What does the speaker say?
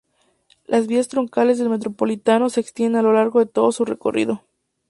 Las vías troncales del Metropolitano se extienden a lo largo de todo su recorrido.